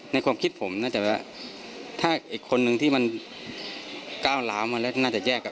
ความคิดผมนะแต่ว่าถ้าอีกคนนึงที่มันก้าวล้าวมาแล้วน่าจะแยกกัน